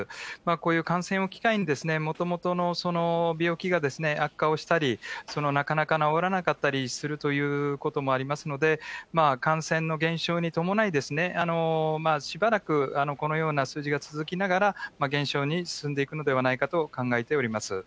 こういう感染を機会にもともとの病気が悪化をしたり、なかなか治らなかったりするということもありますので、感染の減少に伴い、しばらくこのような数字が続きながら、減少に進んでいくのではないかと考えております。